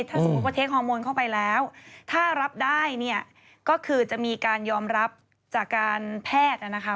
ถ้าสมมุติว่าเทคฮอร์โมนเข้าไปแล้วถ้ารับได้เนี่ยก็คือจะมีการยอมรับจากการแพทย์นะคะ